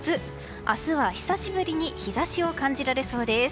明日は久しぶりに日差しを感じられそうです。